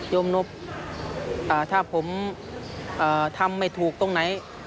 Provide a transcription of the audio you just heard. โยมนบถ้าผมทำไม่ถูกตรงไหน